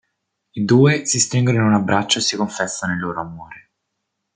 I due si stringono in un abbraccio e si confessano il loro amore.